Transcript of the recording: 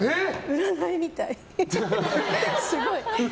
占いみたい。